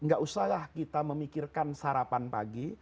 gak usahlah kita memikirkan sarapan pagi